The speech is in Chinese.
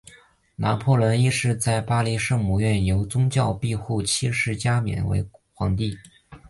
拿破仑一世在巴黎圣母院由教宗庇护七世加冕为皇帝。